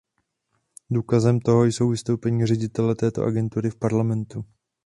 Důkazem toho jsou vystoupení ředitele této agentury v Parlamentu.